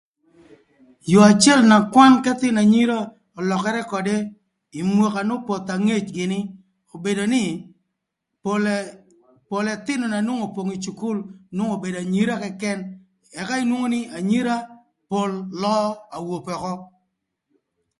Yoo acël na kwan k'ëthïnö anyira ölökërë ködë ï mwaka n'opoth angec gïnï obedo nï, pol ë pol ëthïnö na nwongo opong ï cukul nwongo obedo anyira këkën, ëka inwongo nï anyira pol löö awope ökö.